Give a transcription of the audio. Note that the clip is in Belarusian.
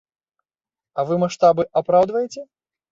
А вы маштабы апраўдваеце?